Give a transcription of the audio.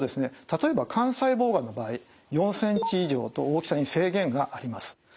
例えば肝細胞がんの場合４ｃｍ以上と大きさに制限があります。